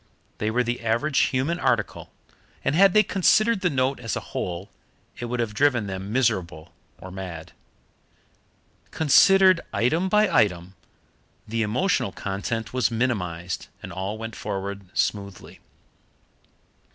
They were the average human article, and had they considered the note as a whole it would have driven them miserable or mad. Considered item by item, the emotional content was minimized, and all went forward smoothly.